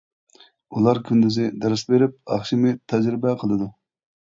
ئۇلار كۈندۈزى دەرس بېرىپ، ئاخشىمى تەجرىبە قىلىدۇ.